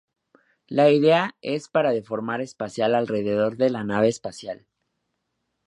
La idea es para deformar espacial alrededor de la nave espacial.